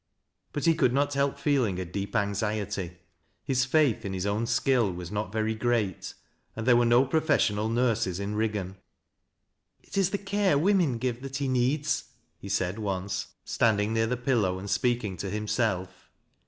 But he could not help feeling a deep anxiety. His faith in liis own skill was not very great, and there were no professional aursos in Riggan. " It is the care women give that he ueeds," he said once, standing near the pillow and speaking to himself.